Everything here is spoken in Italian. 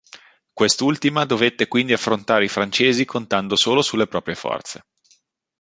Quest'ultima dovette quindi affrontare i francesi contando solo sulle proprie forze.